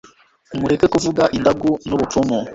mureke kuvuga indagu n'ubupfumu